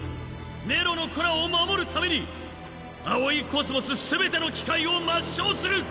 ネロの子らを守るために葵宇宙全ての機械を抹消する！